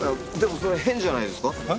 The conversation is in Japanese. でもそれ変じゃないですか？